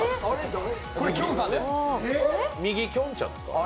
右、きょんちゃんか。